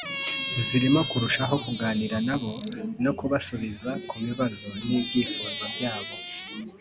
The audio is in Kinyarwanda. zirimo kurushaho kuganira nabo no kubasubiza ku bibazo n’ibyifuzo byabo